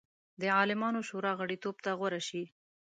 د عالمانو شورا غړیتوب ته غوره شي.